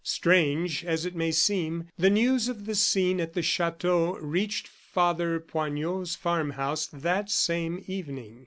Strange as it may seem, the news of the scene at the chateau reached Father Poignot's farm house that same evening.